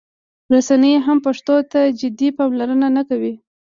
رسنۍ هم پښتو ته جدي پاملرنه نه کوي.